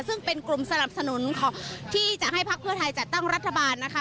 ซึ่งเป็นกลุ่มสนับสนุนที่จะให้พักเพื่อไทยจัดตั้งรัฐบาลนะคะ